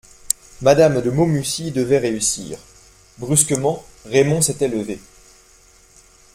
Mme de Maumussy devait réussir … Brusquement, Raymond s'était levé.